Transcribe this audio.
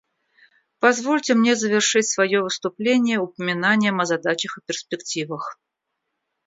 Позвольте мне завершить свое выступление упоминанием о задачах и перспективах.